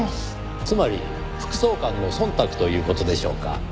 つまり副総監の忖度という事でしょうか？